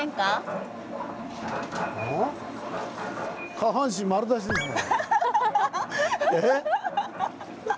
下半身丸出しですね。